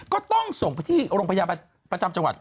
ก็ต้องส่งไปที่โรงพยาบาลประจำจังหวัด